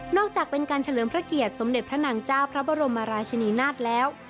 จากเป็นการเฉลิมพระเกียรติสมเด็จพระนางเจ้าพระบรมราชินีนาฏแล้ว